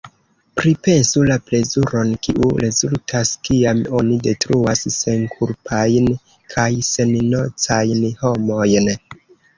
Pripensu la plezuron kiu rezultas kiam oni detruas senkulpajn kaj sennocajn homojn.